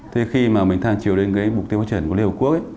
thế khi mà mình tham chiều đến cái mục tiêu phát triển của liên hợp quốc ấy